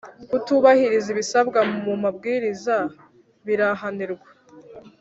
kutubahiriza ibisabwa mu mabwiriza birahanirwa